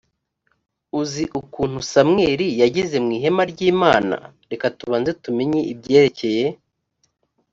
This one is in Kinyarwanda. uzi ukuntu samweli yageze mu ihema ry imana reka tubanze tumenye ibyerekeye